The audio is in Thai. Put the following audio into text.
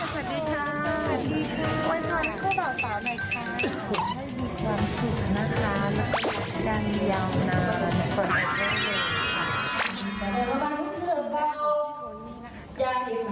กินไว้เป็นของคนที่ดินไหมครับ